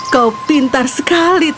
kau pintar sekali taro